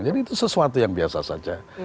jadi itu sesuatu yang biasa saja